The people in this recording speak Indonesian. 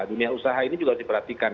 dunia usaha ini juga harus diperhatikan